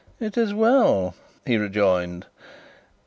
"It is well," he rejoined.